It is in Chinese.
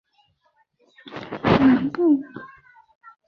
苏瓦松站位于苏瓦松市区的东南部。